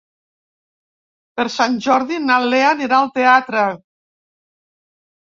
Per Sant Jordi na Lea anirà al teatre.